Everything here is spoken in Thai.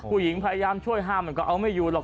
ผู้หญิงพยายามช่วยห้ามมันก็เอาไม่อยู่หรอก